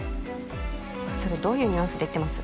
それどういうニュアンスで言ってます？